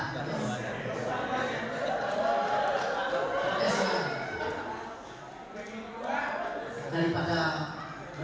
daripada berpaling ke sana